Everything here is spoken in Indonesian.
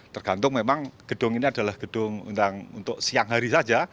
tergantung memang gedung ini adalah gedung untuk siang hari saja